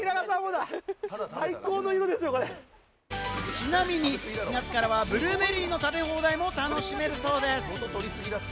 ちなみに７月からはブルーベリーの食べ放題も楽しめるそうです。